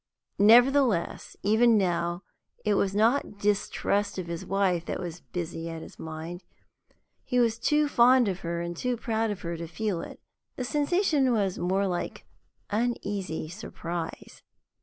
Nevertheless, even now, it was not distrust of his wife that was busy at his mind he was too fond of her and too proud of her to feel it the sensation was more like uneasy surprise.